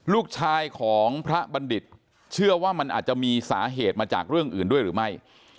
ลูกชายของพระบัณฑิตเชื่อว่ามันอาจจะมีสาเหตุมาจากเรื่องอื่นด้วยหรือไม่